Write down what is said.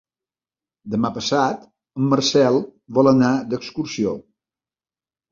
Demà passat en Marcel vol anar d'excursió.